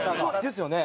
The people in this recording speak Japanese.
ですよね？